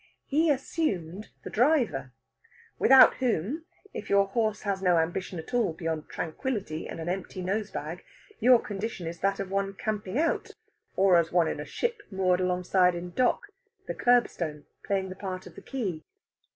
He assumed the driver, without whom, if your horse has no ambition at all beyond tranquillity and an empty nosebag, your condition is that of one camping out; or as one in a ship moored alongside in dock, the kerbstone playing the part of the quay.